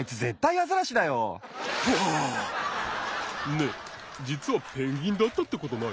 ねえじつはペンギンだったってことない？